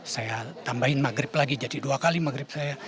saya tambahin maghrib lagi jadi dua kali maghrib saya